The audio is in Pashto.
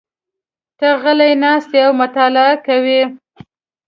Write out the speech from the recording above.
ته غلی ناست یې او مطالعه کوې.